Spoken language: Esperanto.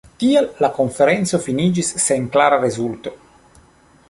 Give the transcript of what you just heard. Tial la konferenco finiĝis sen klara rezulto.